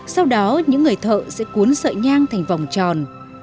sau đó những người thợ sẽ cuốn sợi nhang thành vòng tròn